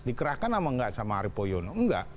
dikerahkan sama arief poyono